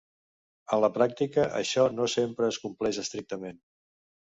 En la pràctica, això no sempre es compleix estrictament.